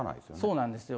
そうなんですよ。